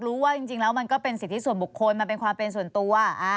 รู้ว่าจริงแล้วมันก็เป็นสิทธิส่วนบุคคลมันเป็นความเป็นส่วนตัว